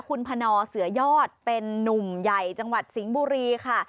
คุณพนเสือยอดเป็นนุ่มใหญ่จังหวัดสิงห์บุรีค่ะ